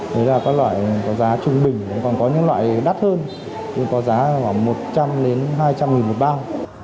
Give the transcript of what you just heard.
đấy là các loại có giá trung bình còn có những loại đắt hơn có giá khoảng một trăm linh đến hai trăm linh nghìn một bao